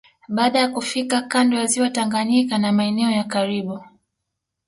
Baada ya kufika kando ya ziwa Tanganyika na maeneo ya karibu